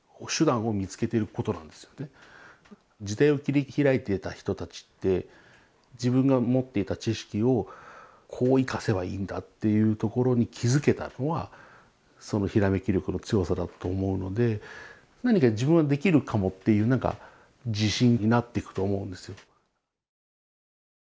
時代を切り開いてた人たちって自分が持っていた知識をこう生かせばいいんだっていうところに気付けたのはそのひらめき力の強さだと思うので何か自分はできるかもっていうなんか自信になってくと思うんですよ。